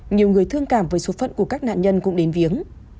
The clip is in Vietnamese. nhiều người thương cảm với số phận của các nạn nhân cũng đến viếng